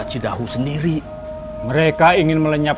kita akan berubah